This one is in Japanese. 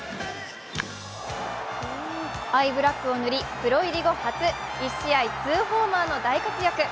アイブラックを塗り、プロ入り後初１試合２ホーマーの大活躍。